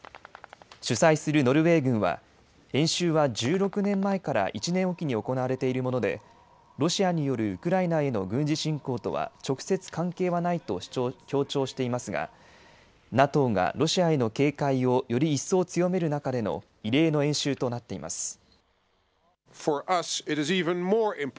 主催するノルウェー軍は演習は１６年前から１年置きに行われているものでロシアによるウクライナへの軍事侵攻とは直接関係はないと強調していますがＮＡＴＯがロシアへの警戒をより一層強める中での異例の演習となっています。